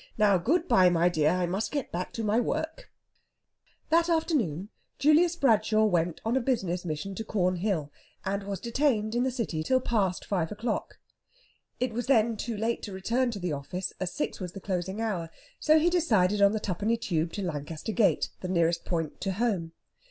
Now, good bye, my dear; I must get back to my work." That afternoon Julius Bradshaw went on a business mission to Cornhill, and was detained in the city till past five o'clock. It was then too late to return to the office, as six was the closing hour; so he decided on the Twopenny Tube to Lancaster Gate, the nearest point to home.